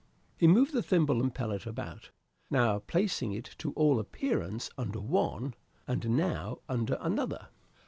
He moved the thimble and pellet about, now placing it to all appearance under one, and now under another.